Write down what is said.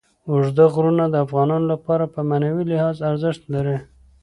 اوږده غرونه د افغانانو لپاره په معنوي لحاظ ارزښت لري.